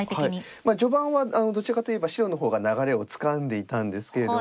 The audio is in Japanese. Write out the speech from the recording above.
まあ序盤はどちらかといえば白の方が流れをつかんでいたんですけれども。